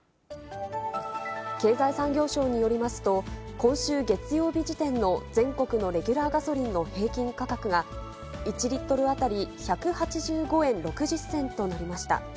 経済産業省によりますと、今週月曜日時点の全国のレギュラーガソリンの平均価格が１リットル当たり１８５円６０銭となりました。